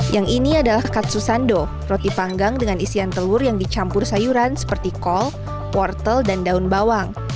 yang ini adalah kak susando roti panggang dengan isian telur yang dicampur sayuran seperti kol wortel dan daun bawang